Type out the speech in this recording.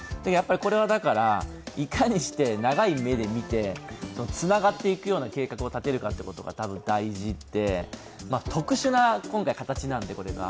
これはいかにして、長い目で見てつながっていくような計画を立てるかということがたぶん大事で、特殊な今回、形なので、これが。